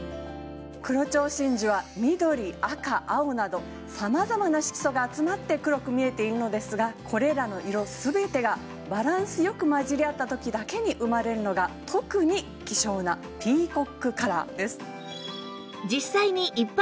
黒蝶真珠は緑赤青など様々な色素が集まって黒く見えているのですがこれらの色全てがバランスよく混じり合った時だけに生まれるのが特に希少なピーコックカラーです。